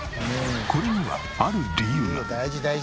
これにはある理由が。